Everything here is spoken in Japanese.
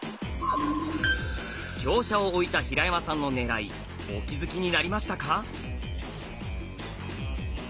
香車を置いた平山さんのねらいお気付きになりましたか？